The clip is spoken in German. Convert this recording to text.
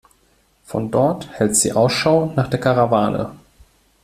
Von dort hält sie Ausschau nach der Karawane.